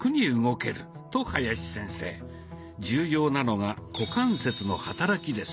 重要なのが股関節の働きです。